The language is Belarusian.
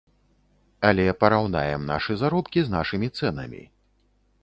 Але параўнаем нашы заробкі з нашымі цэнамі.